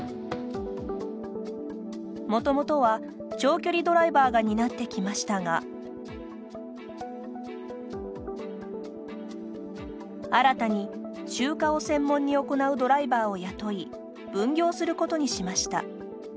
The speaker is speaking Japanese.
もともとは長距離ドライバーが担ってきましたが新たに集荷を専門に行うドライバーを雇い分業することにしました。